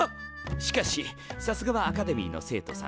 しかしさすがはアカデミーの生徒さん。